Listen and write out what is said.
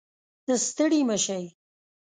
ستړي مه شئ